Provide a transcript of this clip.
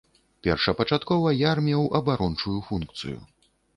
Першапачаткова яр меў абарончую функцыю.